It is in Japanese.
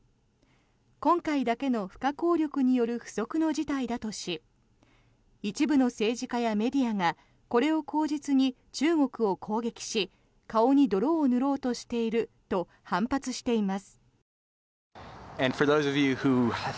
今回だけの不可抗力による不測の事態だとし一部の政治家やメディアがこれを口実に中国を攻撃し顔に泥を塗ろうとしていると反発しています。